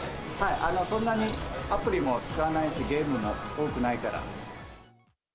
そんなにアプリも使わないし、ゲームも多くないから。